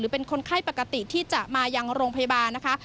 เป็นคนไข้ปกติที่จะมายังโรงพยาบาลนะคะ